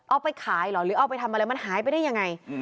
เอาไปขายเหรอหรือเอาไปทำอะไรมันหายไปได้ยังไง